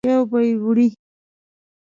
یو به یې وړې.